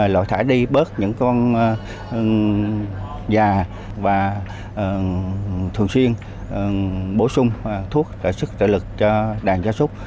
loại thải đi bớt những con già và thường xuyên bổ sung thuốc sức trợ lực cho đàn gia súc